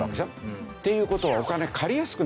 っていう事はお金借りやすくなるわけですよ。